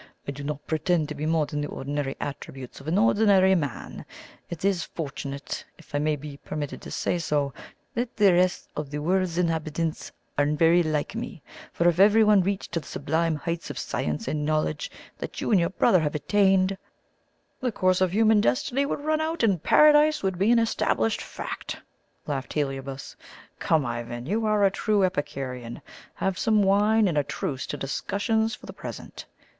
I do not pretend to more than the ordinary attributes of an ordinary man; it is fortunate, if I may be permitted to say so, that the rest of the word's inhabitants are very like me, for if everyone reached to the sublime heights of science and knowledge that you and your brother have attained " "The course of human destiny would run out, and Paradise would be an established fact," laughed Heliobas. "Come, Ivan! You are a true Epicurean. Have some more wine, and a truce to discussions for the present."